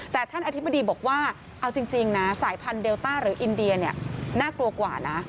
แต่ท่านอธิบดีบอกว่าเอาจริงนะสายพันธุเดลต้าหรืออินเดียเนี่ยน่ากลัวกว่านะ